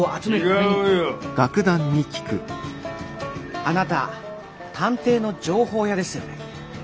あなた探偵の情報屋ですよね？